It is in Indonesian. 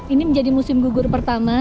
ini menjadi musim gugur pertama